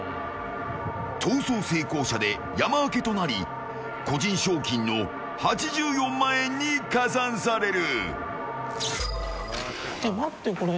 逃走成功者で山分けとなり個人賞金の８４万円に加算される。